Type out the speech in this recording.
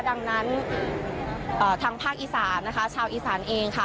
ดังนั้นทางภาคอีสานนะคะชาวอีสานเองค่ะ